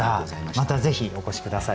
またぜひお越し下さい。